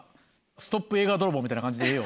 ストップ映画泥棒みたいな感じでええよ。